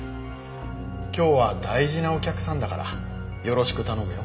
今日は大事なお客さんだからよろしく頼むよ。